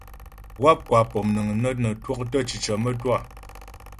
Wáp kwa pɔmnəŋ də́ nə twɔktə́ cicə mə́twâ.